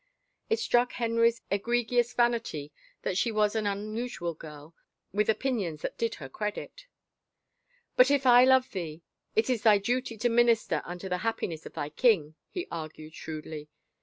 It struck Henry's egregious vanity that she was an un usual girl, with opinions that did her credit. " But if I love thee, it is thy duty to minister unto the happiness of thy king," he argued shrewdly.